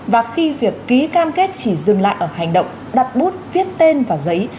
và khi việc ký cam kết chỉ dừng lại ở hành động đặt bút viết tên vào giấy